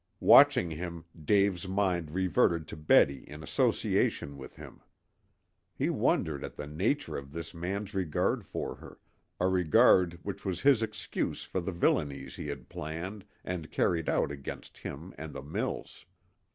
Watching him, Dave's mind reverted to Betty in association with him. He wondered at the nature of this man's regard for her, a regard which was his excuse for the villainies he had planned and carried out against him, and the mills.